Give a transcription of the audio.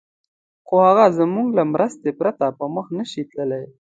خو هغه زموږ له مرستې پرته پر مخ نه شي تللای.